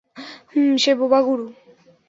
হুম, সে বোবা গুরু।